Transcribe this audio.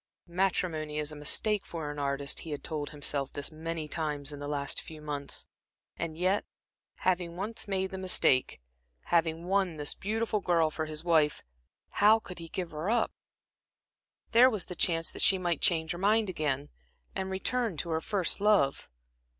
Matrimony is a mistake for an artist he had told himself this many times in the last few months. And yet, having once made the mistake, having won this beautiful girl for his wife, how could he give her up. There was the chance that she might change her mind again, and return to her first love.